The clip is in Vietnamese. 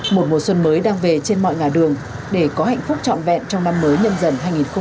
một mùa xuân mới đang về trên mọi ngà đường để có hạnh phúc trọn vẹn trong năm mới nhân dân hai nghìn hai mươi bốn